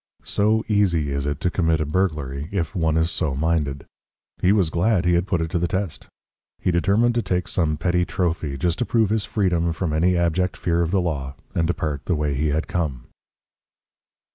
So easy is it to commit a burglary, if one is so minded. He was glad he had put it to the test. He determined to take some petty trophy, just to prove his freedom from any abject fear of the law, and depart the way he had come.